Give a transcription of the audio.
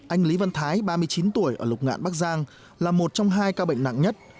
anh lý văn thái ba mươi chín tuổi ở lục ngạn bắc giang là một trong hai ca bệnh nặng nhất